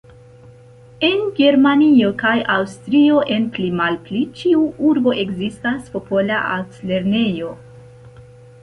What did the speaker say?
En Germanio kaj Aŭstrio, en pli-malpli ĉiu urbo ekzistas popola altlernejo.